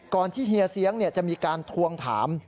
ก่อนที่เฮียเสียงเนี่ยจะมีการทวงถาม